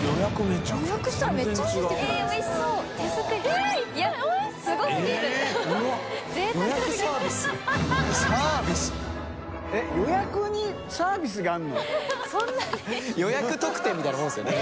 中島）予約特典みたいなものですよね。